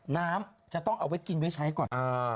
น้ำจะต้องเอาไว้กินไว้ใช้ก่อน